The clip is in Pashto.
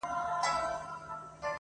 نو دا په ما باندي چا كوډي كړي,